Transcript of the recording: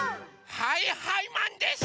はいはいマンです！